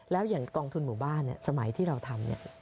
แล้วอย่างกองทุนหมู่บ้านสมัยที่เราทำเนี่ย